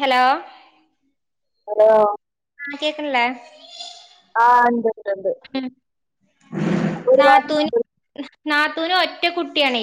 Hello hello ആ കേക്ക്ണ്ല്ലേ ആ ണ്ട് ണ്ട് ണ്ട് ഒരുപാടുണ്ട് നാത്തൂനും ഒറ്റ കുട്ടിയാണേ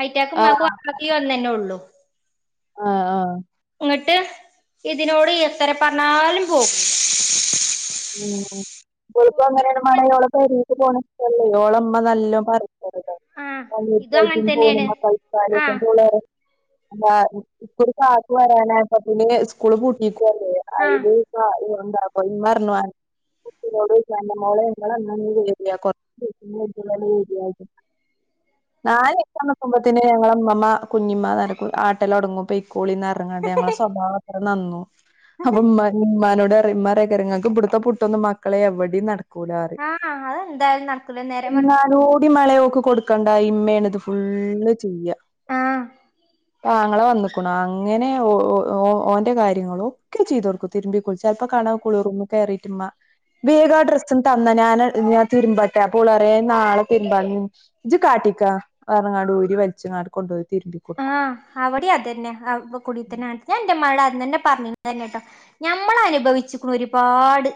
അഐന്റക്കുംമാക്കും ആഹ് വാപ്പാക്കും ഈ ഒന്നന്നെള്ളു ആ ആ ഇങ്ങട്ട് ഇതിനോട് എത്തറ പറഞ്ഞാലും പോകും ഉം ഉം [unintelligible] പെരിക്ക് പോണല്ല ഓളമ്മ നല്ലോ പറിക്കരു ആഹ് ഇതും അങ്ങനെ ഓലൈറ്റായി തന്നെയാണ് ഫോണമ്മൽ കളിച്ചാ ആഹ് [unintelligible] [unintelligible] പാട്ട് പാടാനായിപ്പ പിന്നെ സ്കൂള് പൂട്ടിക്കല്ലേ ആഹ് അയില് [unintelligible] [inaudible] [unintelligible] നാലോസം നിക്കുമ്പത്തിന് ഞങ്ങള ഇമ്മമാ കുഞ്ഞിമ്മ നട ആട്ടലൊടങ്ങും പൊ കൂളിന്നറങ്ങാണ്ട ഞങ്ങളെ സ്വഭാവത്ര നന്നു അപ്പൊ മ്മ ഉമ്മാനോട് അറിയമ [unintelligible] ഇവിടുത്തെ പുട്ടൊന്നും മക്കളെ എവിടെയും നടക്ക കൂലാറിം ആഹ് അതെന്തായാലും നടക്കൂല നേരെ മറിച്ച് തിന്നാനോ [unintelligible] ആഹ് ആങ്ങളെ വന്നക്കുണു അങ്ങനെ ഓഓ ഓന്റെ കാര്യങ്ങളക്കെ ചെയ്തൊടുക്കും തിരുമ്പിക്കുൾച്ച ചിലപ്പോ കാണാ കുളൂർും കയറിയിട്ടുമ്മ വേഗാ ഡ്രസ്സും തന്ന ഞാന് ഞാ തിരുമ്പട്ടെ പോളറിയ നാളെ തിരുമ്പാന്ന് ഇജ് കാട്ടിക്കാ വേറങ്ങാട് ഊരി വലിച്ചങ്ങാട് കൊണ്ടുയി തിരുമ്പും ആ അവിടെ അതന്നെ അവിട്ക്ക് കുടത്തന ഞാന്റെ മ്മാനോട് പറഞ്ഞ തന്നെട്ടോ ഞമ്മൾ അനുഭവിച്ചിക്കണരുപാട്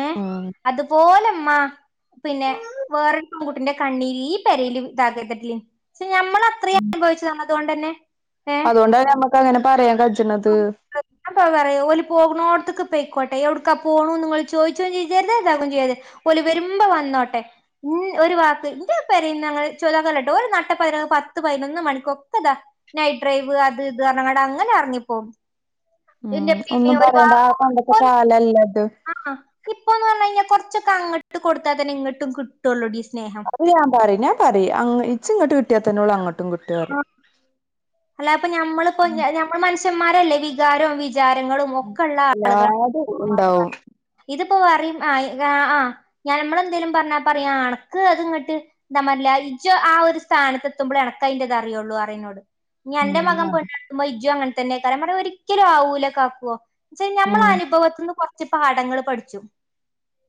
ഏ ഉം അതുപോലമ്മ പിന്നെ വേറൊരു പെൺകുട്ടിന്റെ കണ്ണീര് ഈ പേരേൽും ഇതാ ക്ക ണ്ടതില്ല പക്ഷ നമ്മള ഉം തന്നതോണ്ട്ന്നെ അതോണ്ടാണ്മ്മക്ക് അങ്ങനെ പറയാം പറ്റണത് [unintelligible] പറയഓല് പോണോർത്തക്ക് പോയിക്കോട്ടെ എവിടുക്കാ പോണു ങ്ങൾ ചോയ്ച്ചും ചെയ്യരുത് ഇക്കും ഇതാകും ചെയ്യരുത് ഓല് വരുമ്പോ വന്നോട്ടെ ഉം ഒരു വാക്ക് ൻ്റെ പെരെന്നങ്ങനെ ച്ചാലോറിയ ഒരു നട്ടപാതിരക്ക് പത്ത് പതിനൊന്ന് മണിക്കൊക്കെതാ നൈഡ്രൈവ് അത് ഇത് അങ്ങനെ എറങ്ങിപ്പോവും ഇന്റെ ഉം ഇപ്പിം ഒന്നും ഇമ്മിം പറയണ്ട ആ പണ്ടത്തെ കാലല്ലത് ആ ഇപ്പൊന്ന് പറഞ്ഞ കഴിഞ്ഞാൽ കുറച്ചൊക്കെ അങ്ങോട്ട് കൊടുത്താ തന്നെ ഇങ്ങട്ടും കിട്ടുള്ളൂ ഈ സ്നേഹം അത് ഞാൻ പറിം ഞാൻ പറിം ഇച്ച് ഇങ്ങട്ട് കിട്ടിയാത്തന്നെള്ളു അങ്ങട്ടും കിട്ടാ. അല്ല അപ്പൊ ഞമ്മളിപ്പോ ഉം ഞമ്മൾ മനുഷ്യന്മാരല്ലേ, വികാരവും വിചാരങ്ങളും ഉം നമുക്കൊള്ള ആളുക എല്ലാതും ഉണ്ടാവും ഇതിപ്പോ പറയും ആ ആ ഞാൻ നമ്മള് എന്തെലും പറഞ്ഞ പറ ഏണക്ക് അത് അങ്ങിട്ട് എന്താ [unintelligible] ഇജ്ജ് ആ ഒരു സ്ഥാനത്ത് എത്തുമ്പളേ എന അയിന്റെത് അറിയൊള്ളു അറിയും എന്നോട് ഇനി അന്റെ ഉം മകൻ പെ അതെ ഇജും അങ്ങനെ തന്നെയ്ക്കാരം ഒരിക്കലും ആവൂല കാക്കുവോ ഇച്ച് നമ്മള ഉം അനുഭവത്തി നിന്ന് കുറച്ച് പാഠങ്ങൾ പഠിച്ചും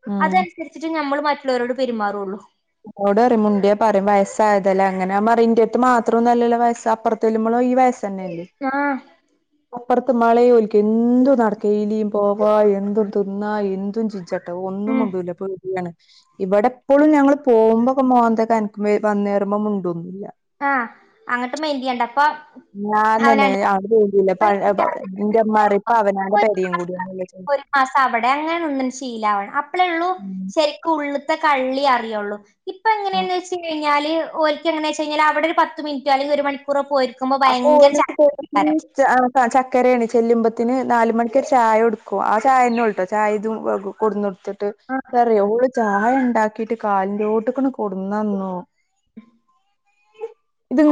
ഉം അതനുസരിച്ചിട്ട് ഞമ്മൾ മറ്റുള്ളവരോട് പെരുമാറുള്ളു. ഇന്നോട് മുണ്ട്യ പറിം വയസ്സായതല്ലേ അങ്ങനെ ഞാൻ പറിം ഇന്റെട്ത്ത് മാത്രെന്നല്ലല്ലോ വയസ് അപ്പറ [unintelligible] ഈ വയസ് തന്നെയല്ലേ ആഹ് അപ്പുറത്ത് മാളെ ഓല്ക്ക് എന്തും നടക്കേ എയ്ലിം പോവാ, എന്തും തിന്നാ എന്തും ച ചയട്ട് ഒന്നും ഉം മുണ്ടൂല ഇപ്പോ [unintelligible] ഇവിടെ എപ്പോഴും ഞങ്ങള് പോമ്പോക്കെ മോന്ത കനക്കും ഏഹ് വന്നേറുമ്പോ മുണ്ടൊന്നുല്ല. ആഹ് അങ്ങട്ട് മൈന്റ്യ്യണ്ടപ്പ ഞാൻ തന്നെ അവടെ [unintelligible] എനിക്ക് എൻ്റമ്മാറയും ഇപ്പ അവനാടെ പേരയും കൂടിയൊന്നില്ലോ ചൊ ആ മാസവടെ അങ്ങനെ നിന്ന് ശീലാ വണം അപ്പളേ ഉള്ളൂ, ഉം ശരിക്ക് ഉള്ളുത്തെ കള്ളി അറിയുള്ളൂ. ഇപ്പൊ ആഹ് എങ്ങനെയന്ന് വെച്ച് കഴിഞ്ഞാൽ ഓൽക്ക് എങ്ങനെവെച്ച കഴിഞ്ഞാൽ അവിടെ ഒരു പത്ത് മിനിറ്റോ അല്ലങ്കി ഒരു മണിക്കൂറോ പോയിരിക്കും. അപ്പൊ ഓല്ക്ക് [unintelligible] ചക്കരയണ് ചെല്ലുമ്പത്തിന് നാല് മണിക്കൊരു ചായ കൊടുക്കും ആ ചായന്നേള്ളൂട്ടോ ചായ ഇതും വകും കൊടുനോടുത് ട്ട് റയും ഓൽ ചായ ഇണ്ടാക്കിട്ട് കാലിന്റോട്ടിക്ക് ഇങ്ങ്ട്ട് കൊടുന്നന്നു.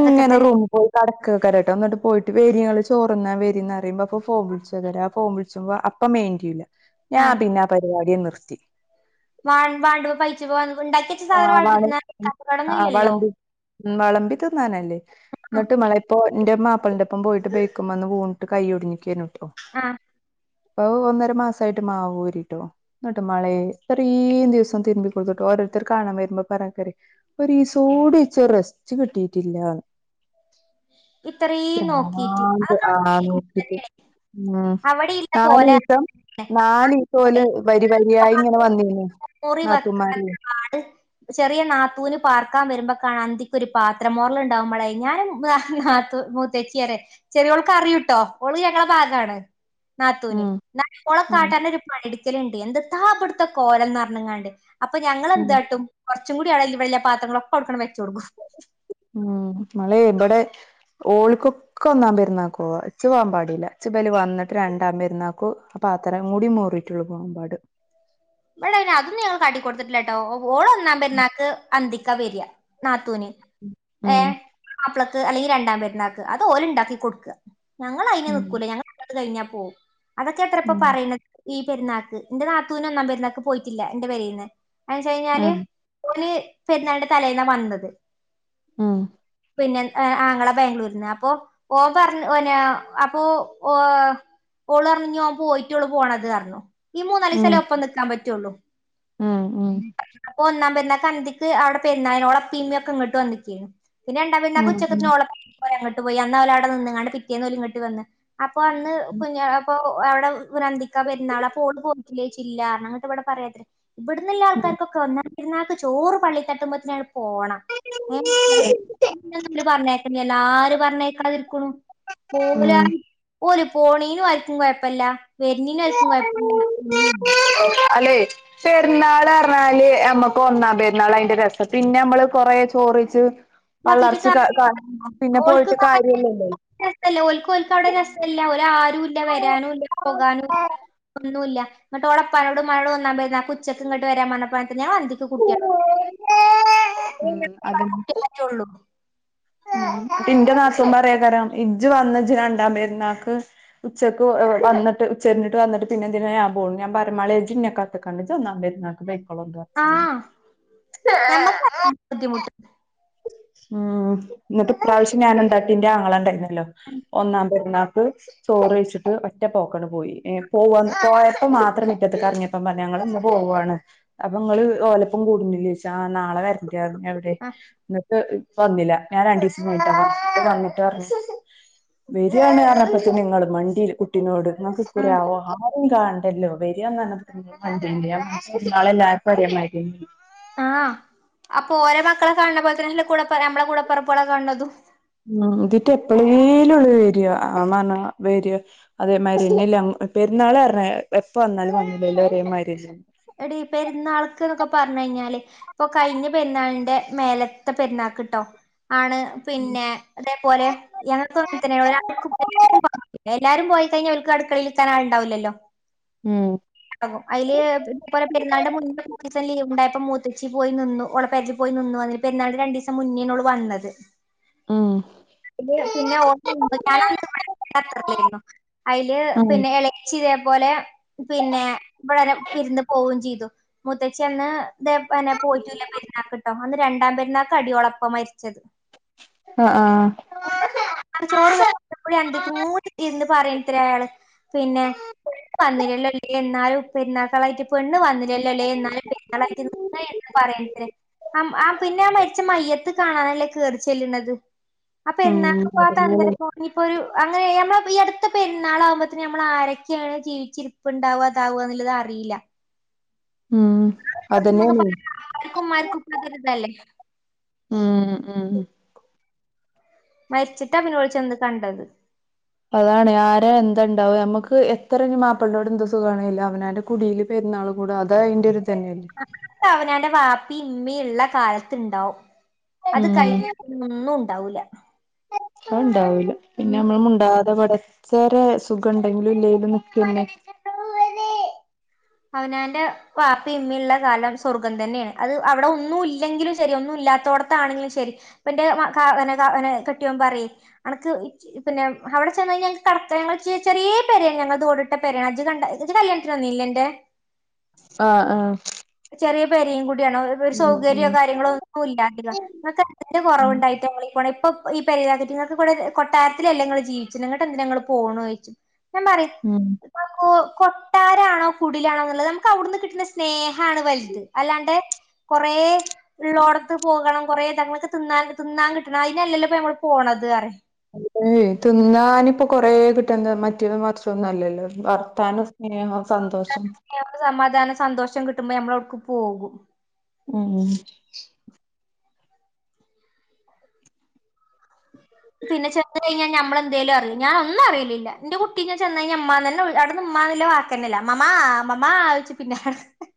അതൊക്കെ തന്നെ റൂം കടക്കയ്ക്കാരാട്ടോ ന്നട്ട് പോയിട്ട് വേരിങ്ങള് ചോറന്നാ വേരിന്നറി യുമ്പോ അപ്പൊ ഫോം വിളിച്ചയ് കാരം ആ ഫോം വിളിച്ചുമ്പോ അപ്പം മൈന്റയൂല ഞാൻ പിന്നെ ആ പരിപാടിയെ നിർത്തി. വാണ്ടൂപോ [unintelligible] ഇണ്ടാക്കി സാധനം ആഹ് വള വേടന്നും ആഹ് [unintelligible] ഇല്ലോ വളമ്പി ഉം വെളമ്പി തിന്നാനല്ലേ. ആ എന്നിട്ട് മാളേ ഇപ്പോ എന്റെ മാപ്പളന്റെപ്പം പോയിട്ട് ബൈക്കുമ്മേന്ന് വീണ്ട്ട് കൈയൊടിഞ്ഞിക്കയ്നു. ആ ആഹ് ഒന്നര മാസായിട്ട് മാവ് ഊരീട്ടോ. ഇന്നട്ട് മാളെ ഇത്തറീം ദിവസം തിരിമ്പി കൊടുത്തിട്ട് ഓർ കാണാൻ വരുമ്പോ പറയാത്രെ ഒരീസൂടി ഇച്ചൊരു റസ്റ്റ് കിട്ടിയിട്ടില്ല. ഇത്രയും നോക്കീട്ട് അതൊക്കെ കേൾക്കുമ്പോ [unintelligible] തന്നെയാണ് ഉം അവിടെ ഇല്ല പോലെ നാലീസം നാലീസം ഓല് വരിവരിയായി ഇങ്ങനെ വന്നീനു മുറി നാതൂമാര് വെക്കാത്ത ആള് ചെറിയ നാത്തൂന് പാർക്കാൻ വരുമ്പോക്കാണ അന്തിക്കൊരു പാത്രം മോറലുണ്ടാവും മാളേ ഞാന് [unintelligible] തേച്ചിയരെ ചെറിയോൾക്ക് അറിയൂട്ടോ ഓള് ഞങ്ങളെ ഭാഗാണ്. നാതൂൻ ഉം ഓള ഉം കാട്ടാൻ ഒരു പണടിക്കലുണ്ട് എന്ത് താബിടുത്ത കോലം പറഞ്ഞ്ങ്ങാണ്ട്. അപ്പൊ ഉം ഞങ്ങളെന്താട്ടും കൊറച്ചു കൂടി അവടിം ഇവടീല്ല പാത്രങ്ങളൊക്കെ അവിടക്കങ്ങട്ട് വെച്ചൊട്ക്കും. ഉം മ്മള് ഇബടെ ഓൽക്കൊക്കെ ഒന്നാം പെരുന്നാക്കോവാ ഇച്ച് പോവാൻ പാടില്ല ഇചോൽ വന്നിട്ട് രണ്ടാംപെരുന്നാക്ക് ആഹ് പാത്രം കൂടി മോറിയിട്ടുള്ളു പോകാൻ പാട്. ഇബ്ടെ അതൊന്നും ഞങ്ങൾ കാട്ടി കൊടുത്തിട്ടില്ലട്ടോ ഓൾ ഒന്നാ പെരുന്നാക്ക് അന്തിക്കാ വെരാ നാത്തൂന് ഉം ഏഹ് മാപ്പ്ളക്ക് അല്ലെങ്കി രണ്ടാം പെരുന്നാക്ക് അത് ഓല് ഇണ്ടാക്കി കൊടുക്കുക. ഞങ്ങള് അയിന് ഉം നിൽക്കൂല ഞങ്ങൾ അത് കഴിഞ്ഞാ പോവും അതൊക്കെയാ ഇപ്പ ഉം പറയണത്. ഈ പെരുന്നാക്ക് എന്റെ നാത്തൂന് ഒന്നാം പെരുന്നാക്ക് പോയിട്ടില്ല എന്റെ പേരേന്ന് എന്ന് വെച്ച കഴിഞ്ഞാല് ആഹ് ഓള് പെരുന്നാളിന്റെ തലേന്നാ വന്നത്. ഉം പിന്നെ ആങ്ങള ബാംഗ്ലൂര്ന്ന് അപ്പൊ ഓൻ പറഞ്ഞ ഓനാ അപ്പൊ ഓഹ് ഓളറഞ്ഞു ഓൻ പോയിട്ടൊള്ളു പോണത് പറഞ്ഞു ഈ ഉം മൂന്നാലിസല്ലേ ഒപ്പം നിക്കാൻ പറ്റുള്ളൂ ഉം ഉം പ്പൊ ഒന്നാൻ പെരുന്നാക്കന്തിക്ക് അവിടെ പെരുന്നായോളപ്പീമിയ ഒക്കെ ഇങ്ങട്ട് വന്നിക്ക്‌ പിന്നെ രണ്ടാ പെരുന്നാക്ക് ഉം ഉച്ചക്ക്‌ പോ അങ്ങോട്ട് പോയി അന്നോലവിടെ നിന്ന്‌ങ്ങാണ്ട് പിറ്റേന്നോല് ഇങ്ങ്ട്ട് വന്ന്. അപ്പൊ അന്ന് ഉം കുഞ്ഞ അപ്പൊ അവിടെ ഒരു അന്തിക്കാ പെരുന്നാൾ അപ്പോ ഓൽ പോയിട്ടില്ലേയ്ച്ച് ഇല്ലാ ഞങ്ങക്ക് ഇവ്ട പറയാത്ത് ഇബ്ട്ന്നില്ല ഉം ആൾക്കാർക്കൊക്ക ഒന്നാം പെര്ന്നാക്ക് ചോറ് പള്ളിക്കെത്ത്മ്പത്ത്നങ്ങട് പോണം. [unintelligible] പറഞ്ഞേക്കലില്ല ആര് പറഞ്ഞേക്കണതിരിക്കും പോവൂലാ ഉം ഓല് പോണീനും ആർക്കും കൊഴപ്പല്ല വെര്ന്നീനും ആർക്കും കൊഴപ്പല്ല അല്ലേ പെരുന്നാളാർഞ്ഞാല് അമ്മക്ക് ഒന്നാം പെരുന്നാൾ അയ്ന്റെ രസം പിന്നെ നമ്മള് കൊറേചോറെച്ച്. ഇതാക്കിട്ട് പള്ളാർച്ച് കാ കാ കാര്യമില്ല. പിന്നെ പോയിട്ട് കാര്യല്ലല്ലോ. ല്ല ല്ല ഓൽക്കൊൽക്കും അവിടെ രസല്ല ഓലാരും ഇല്ല വരാനുംല്ല പോകാനുംല്ല ഒന്നുല്ല. ന്ന്‌ട്ട് ഓളെപ്പാനോടും ഉമ്മാനോടും എന്നാവെര ഉച്ചക്ക് ഇങ്ങോട്ട് വെരാൻ പർഞ്ഞപ്പൊ ഞാൻന്തി സു കുട്ട്യാള് ഉം [unintelligible] ഉള്ളൂ ഉം ഇപ്പെന്റെ നാത്തൂൻ പറയാക്കാരം ഇജ്ജ് വന്ന ഇജ്ജ് രണ്ടാം പെരുന്നാക്ക്. ഉച്ചക്ക് വന്നിട്ട് ഉച്ചരിഞ്ട്ട് വന്നിട്ട് പിന്നെന്തിനാ ഞാൻ പോണ് ഞാൻ പർഞ്ഞു മാളേ ജ്ജ്ഞ്ഞ കാത്ത്ക്കണ്ട ജ്ജ് ഒന്നാംപെരുന്നാ വേയ്ക്കളൊന്ത ആ അതെന്നെ ഞമ്മക്ക് അതാണ് ബുദ്ധിമുട്ട് ഊം ന്നിട്ട് ഇപ്രാവശ്യം ഞാൻ എന്താക്കീ ന്റെ ആങ്ങളണ്ടായിരുന്നല്ലോ ഒന്നാം പെരുന്നാക്ക് ചോറെയ്ച്ചിട്ട് ഒറ്റ പോകണ്ട്പോയി. ഏ പോവാ പോയപ്പോ മാത്രം മിറ്റത്ത്ക്ക് എർങ്ങി പ്പം പർഞ്ഞ് ഞങ്ങളിന്ന് പോവാണ് അപ്പൊ നിങ്ങള് ഓലപ്പം കൂട്ന്നില്ലേച്ച് ആഹ് നാളെ വര ല്ലാർഞ്ഞു അവിടെ ആ എന്നിട്ട് വന്നില്ല. ഞാൻ രണ്ടീസം കയ്ഞ്ഞിട്ടാ പർഞ്ഞ് വന്നിട്ട് പർഞ്ഞ്. വെരാണ്ർഞ്ഞപ്പത്തിന് ങ്ങള് മണ്ടി കുട്ടിനോട് ങ്ങക്ക് ആ കുറേ ആവോ കാണ്ടല്ലോ വരിയാന്നർഞ്ഞപ്പോ കണ്ടില്ലേ എല്ലാർക്കും ഒരേമാരിയായ്നു ആഹ് അപ്പൊ ഓരേ മക്കളെ കാണ്ണ പോലത്തന്നല്ലെ നമ്മളെ കൂടപ്പെർപെളെ കാണ്ന്നതും. ഉം ഇതിട്ട എപ്പളേലും ഓള് വെര ആപാർഞ് വെര അതേമാതിരി ഇല്ലല്ല പെര്ന്നാള്ന്നർഞ്ഞ എപ്പ വന്നാലും വന്നീല്ലേലും ഒരേമാതിരി അല്ലേ? എടീ പെരുന്നാൾക്ക്ന്നൊക്കെ പറഞ്ഞു കഴിഞ്ഞാല്. ഇപ്പൊ കഴിഞ്ഞ പെരുന്നാളിന്റെ മേലത്തെ പെരുന്നാക്ക്ട്ടോ ആണ് പിന്നെ. അതേപോലെ ഞങ്ങക്കും ങ്ങെൻതന്നെയാണ് ഒരാൾക്കും എവിടേം [unintelligible] പിന്നെല്ലാരും പോയി കഴിഞ്ഞ ഓൽക്ക് അടുക്കളേലിരുത്താൻ ആളുണ്ടാവില്ലല്ലോ. ഉം അയ്ല് ഇപലെ പെരുന്നാളുടെ മുന്നപ്സം ലീവ് ഉണ്ടായപ്പോ മൂത്തച്ചി പോയി നിന്നു ഓളപെരി പോയി നിന്നു. പെരുന്നാന്റെ രണ്ടീസം മുന്നേയ്നു ഓള് വന്നത്. ഉം അതില് പിന്നെ ഓ ഞാന് ത്രെല്ലായിരുന്നു അതില് പിന്നെ ഇളേ ച്ചി ഇതേപോലെ പിന്നെ ഇവിടെരെ വിരുന്ന് പോവുകയും ചെയ്തു മുത്തച്ചി അന്ന് ഇതെ പോയിട്ടൂല്ല പെരുന്നാക്ക്ട്ടോ അന്ന് രണ്ടാം പെരുന്നാക്ക് ആടിയോളെപ്പ മരിച്ചത്. അഹ് ആഹ് കൂടുതൽ ചോറ് വെച്ചപ്പെയെ അന്തിക്ക് മൂടിന്ന് പറയണത്രെ അയാള്. പിന്നെ [unintelligible] വന്നിലല്ലടി എന്നാലും പെരുന്നാക്കളായിട്ട് ഇപ്പ പെണ്ണ് വന്നില്ലല്ലോലേ എന്നാലും പെുന്നാളായിട്ട് മ്മെ പറയണ്ടേ ആം ആഹ് പിന്നെ ആ മരിച്ച മയ്യത്ത് കാണാനല്ലേ കേറി ചെല്ലുന്നത്. അ ഉം പെരുന്നാക്ക് ആ അതന്നെയാണ് തന്തേടെപ്പോ ഇനിയിപ്പോരു അങ്ങനെ നമ്മളെ ഈ അടുത്ത പെരുന്നാളാകുമ്പോത്തിനു നമ്മൾ ആരൊക്കെയാണ് ജീവിച്ചിരിക്ക ഇപ്പുണ്ടാവ താവുക എന്നുള്ളത് അറിയില്ല ഉം അതെന്നാണ് ഉപ്പക്കും മ്മാർക്കും ഇപ്പൊര്തല്ലേ ഉംഉം മര്ച്ചിട്ടാ പിന്ന ഓള് ചെന്ന് കണ്ടത് അതാണ് ആരാ എന്താ ഇണ്ടാവ നമ്മക്ക് എത്ര ഇനി മാപ്പ്ൾന്റവ്ട എന്ത് സുകാണേലും അവനാന്റെ കുടിയില് പെര്ന്നാള് കൂട അതയ്ന്റെ ഒരു ഇത ന്നെ പ്പ അവനവന്റെ വാപ്പി ഇമ്മി ഇള്ള കാലത്തിണ്ടാവും. അത് ഉം കഴിഞ്ഞിട്ട് ഒന്നും ഉണ്ടാവൂല്ല. അത് ഉണ്ടാവൂല. പിന്നെ അമ്മള് മുണ്ടാതെ വടച്ചരെ സുഖ ഇണ്ടെങ്കിലും ഇല്ലേലും പിന്നെ, അവനാന്റെ വാപ്പി ഇമ്മി ഇള്ള കാലം സ്വർഗ്ഗം തന്നെണ്. അത് അവിടെ ഒന്നു ഇല്ലെങ്കിലു ശെരി ഒന്നു ഇല്ലാത്തോട ത്താണെങ്കിലും ശെരി. ന്റെ മ കാ ന്നാ വ നാ കെട്യോൻ പറയ് അനക് ഇച്ച് പിന്നെ അവിടെ ചെന്ന് കൈഞ്ഞ [unintelligible] ചെറിയെ പേരെണ്, ഞങ്ങള്തെ ഓടിട്ട പെരയാണ്. അജ് കണ്ട ഇജ് കല്യാണത്തിന് വന്നില്ലെ എന്റെ. ആഹ് ആ. ചെറിയ പെരേം കൂടിയാണ്. ഒരു സൗകര്യോ ഉം കാര്യങ്ങളോ ഒന്നു ഇല്ലാണ്ടില്ല. [unintelligible] എന്ത് ഉം കൊറവുണ്ടായിട്ട ഇവളി പോണെ. ഇപ്പം ഈ പെരേല് [unintelligible] ഇപ്പ കൊട്ടാരത്തില് അല്ലെ ഇങ്ങള് ജീവി ച്ന്നെങ്ങട്ട എന്തിന ഇങ്ങള് പോണോയ്ച്ച്‌ ഞാ പറയും ഉം ഇപ്പൊ കൊട്ടാരാണോ കുടിലാണോന്നുള്ളത്. നമ്ക്കവുടുന്ന് കിട്ടുന്ന സ്നേഹ ണ് വൽത്. അല്ലാണ്ടെ കൊറേ, ഇള്ളോടത്ത് പോകണം. കൊറേ ഇതങ്ങള്ക് തിന്നാ തിന്നാ കിട്ടണം. അയ്നല്ലല്ലോ ഇപ്പ ഞമ്മള് പോണത് [unintelligible] അത് തിന്നാനിപ്പ കൊറേ കിട്ടന്നത്, മറ്റേത് മറ്ചൊ ഒന്നു അല്ലല്ലോ. വർത്താനം, സ്നേഹം സന്തോഷം, സമാധാനം സന്തോഷം കിട്ടുമ്പോ ഞമ്മളവിട്ക്ക് പോകും. ഉം ഉം. പിന്നെ ചെന്ന് കൈഞ്ഞാ ഞമ്മളെന്തേലു അറ്യും. ഞാ ഒന്നും അറിയലില്ല. ന്റെ കുട്ടീ ഞാ ചെന്ന കൈഞ അമ്മാന്ന് തന്നെ [unintelligible] തന്നല്ല. അമമ്മാ അമമ്മാ വിളിച്ചു പിന്നാലെ നട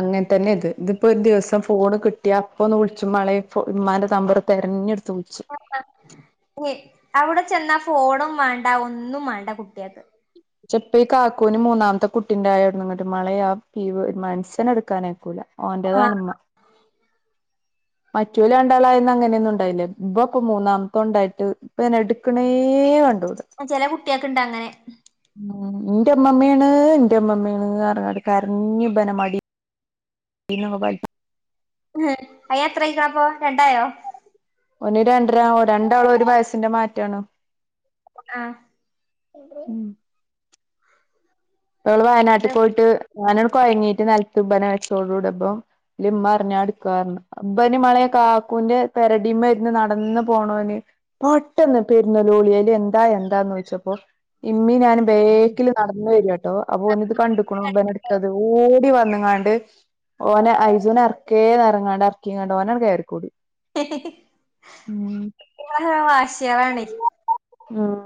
അങ്ങൻ തന്നെ ഇത്. ഇതിപ്പൊ ഒരു ദിവസം ഫോണ് കിട്ടിയ, അപ്പൊ ഒന്ന് വിള്ച്ചു മാളെ ഫോ ഇമാന്റെ തമ്പറ്, തെരഞ്ഞെട്ത് വിളിച്ചും. [unintelligible] അവ്ടെ ചെന്നാ ഫോണും വേണ്ട. ഒന്നും മേണ്ട കുട്ടിയാക്ക്. ചെപ്പ ഈ കാക്കൂന് മൂന്നാമത്ത കുട്ടി ണ്ടായൊട്ന്ന്ങ്ങട്ട് മളെ ആ പിയ് വ് മനഷ്യനെട്ക്കാനയ്ക്കൂല. ഓന്റെയാ ആഹ് ണുമ്മ. മറ്റുല രണ്ടാളായന്ന അങ്ങനെയൊന്നു ഉണ്ടായില്ലാര്ന്നു. [unintelligible] മൂന്നാമ്തെ ഉണ്ടായിട്ട് ഇപ്പ അയ്നെ എട്ക്കണേ കണ്ടൂട. അ ചെല കുട്ടിയക്കിണ്ടങ്ങനെ. ഉം ഇന്റെ ഉമ്മമ്മേണ് ഇന്റെ ഉമ്മമ്മേ ണ് പറഞ്ഞ് കരഞ് പിന്നെ മടി പിന്ന മൊബൈൽ അയിന് എത്രവസാ പ്പോ? രണ്ടായോ? ഓന് രണ്ട്‌ര. രണ്ടാളു ഒരു വയസിന്റെ മാറ്റാണ്. ആ ഉം ഇബള് ഇത് വയനാട്ടിക്ക്‌ പോയ്ട്ട് ഞാനോട് കൊയഞ്ഞീട്ട് നെൽത്ത് ഇബന വെച്ചോടൂട ഇബം ലിമ്മറ്ഞ്ഞ ഞാ യെടുകാന്ന്. ഇബന് മളെ കാക്കുന്റ പെരടീമ്മര്ന്ന് നടന്ന് പോണോന്. പെട്ടന്ന് പ ഒര് നോലോളിലെ എന്താ എന്താനോയ് ച്ചപ്പോ. ഇമ്മി നാനും ബേക്കില് നടന്നു വരുവാട്ടോ. അപ്പൊ ഓനിത് കണ്ടുകുണു [unintelligible] അത് ഓടി വന്നങ്ങാണ്ട്, ഓനെ ഐജുനെ അറ്ക്കേ അറങ്ങാണ്ട് [unintelligible] ഓന ങ്ങ് കേറി കൂടി. കുട്ടികള ഓരോ വാശ്യകളാണെ ഉം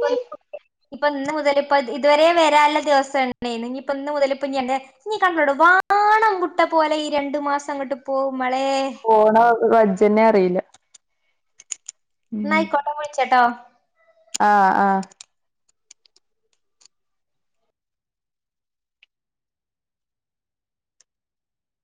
[unintelligible] ഇപ്പൊ ഇന്ന് മുതല് ഇപ്പ ഇതുവരേം വെരാള്ള ദിവസാണെന്. ഇനിയിപ്പ ഇന്ന് മുതലിപ്പ ഇനി എന്റെ, ഇനീ കണ്ടോടു. വാണം വുട്ട പോലെ ഈ രണ്ടു മാസം അങ്ങോട്ട് പോവും മോളെ. പോണോ [unintelligible] അറിയില്ല. ന്ന ആയ്കോട്ട [unintelligible] ചട്ടോ. ആഹ് ആ.